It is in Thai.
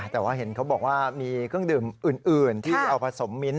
แต่ว่าเห็นเขาบอกว่ามีเครื่องดื่มอื่นที่เอาผสมมิ้นท